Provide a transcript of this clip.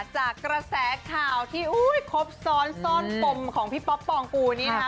จากกระแสข่าวที่ครบซ้อนซ่อนปมของพี่ป๊อปปองกูนี่นะคะ